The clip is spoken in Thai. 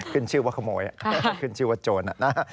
ขึ้นชื่อว่าขโมยขึ้นชื่อว่าโจรอะนะ